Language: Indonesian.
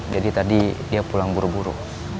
jadi tadi dia pulang buru buru